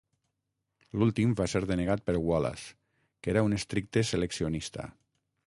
L'últim va ser denegat per Wallace, que era un estricte seleccionista.